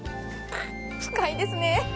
深いですね